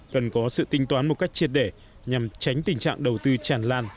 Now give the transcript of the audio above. cần có sự tinh toán một cách triệt để nhằm tránh tình trạng đầu tư chản lan